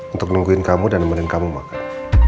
untuk nungguin kamu dan nemenin kamu makan